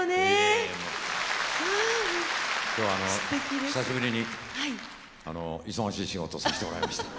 今日は久しぶりに忙しい仕事させてもらいました。